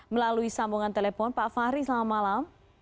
melalui sambungan telepon pak fahri selamat malam